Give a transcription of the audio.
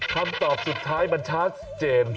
คำตอบสุดท้ายมันชัดเจน